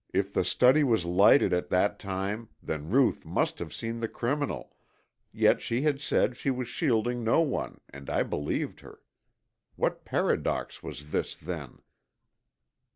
If the study was lighted at that time, then Ruth must have seen the criminal, yet she had said she was shielding no one and I believed her. What paradox was this, then?